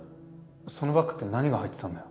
そのバッグって何が入ってたんだよ？